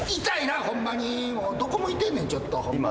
どこ向いてんねんちょっとホンマ。